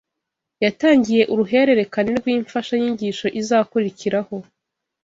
yatangiye uruhererekane rwimfasha nyigisho izakurikiraho